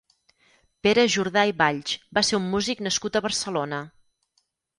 Pere Jordà i Valls va ser un músic nascut a Barcelona.